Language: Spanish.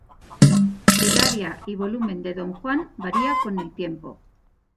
El área y volumen de Don Juan varía con el tiempo.